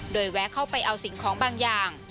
โดยแวะเข้าไปเอาสิ่งของบางอย่าง